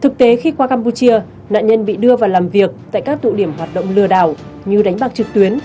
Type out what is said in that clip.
thực tế khi qua campuchia nạn nhân bị đưa vào làm việc tại các tụ điểm hoạt động lừa đảo như đánh bạc trực tuyến